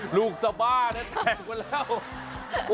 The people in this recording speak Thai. หลูกสบ้าแบบนี้แตกมาแล้ว